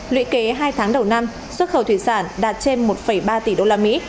luyện kế hai tháng đầu năm xuất khẩu thủy sản đạt trên một ba tỷ đô la mỹ